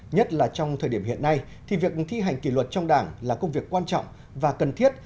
nhất là trong thời điểm hiện nay thì việc thi hành kỷ luật trong đảng là công việc quan trọng và cần thiết